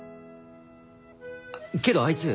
あっけどあいつ。